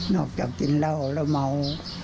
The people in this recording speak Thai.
จากกินเหล้าแล้วเมา